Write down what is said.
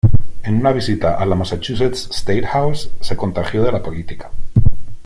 En una visita a la Massachusetts State House se "contagió" de la política.